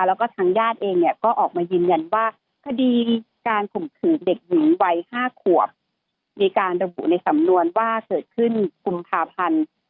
แล้วก็ทางญาติเองเนี่ยก็ออกมายืนยันว่าคดีการข่มขืนเด็กหญิงวัย๕ขวบมีการระบุในสำนวนว่าเกิดขึ้นกุมภาพันธ์